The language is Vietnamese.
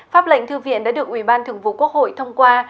pháp lệnh thư viện đã được ủy ban thường vụ quốc hội thông qua